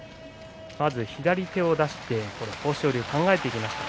まず左手を出して豊昇龍、考えていきました。